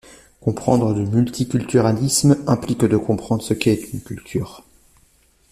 Comprendre le multiculturalisme implique de comprendre ce qu’est une culture.